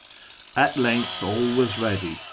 At length all was ready.